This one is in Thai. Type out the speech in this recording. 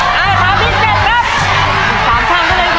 ๓ชามเท่านั้นครับ